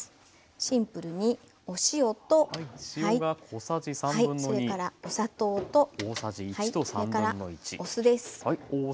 シンプルにお塩とそれからお砂糖とそれからお酢です。